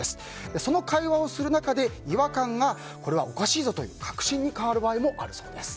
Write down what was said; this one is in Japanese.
その会話をする中で違和感が、これはおかしいぞと確信に変わる場合もあるそうです。